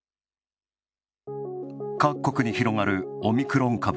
各国に広がるオミクロン株。